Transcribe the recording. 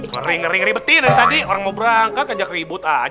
ngeri ngeri ngeri betin dari tadi orang mau berangkat kanjak ribut aja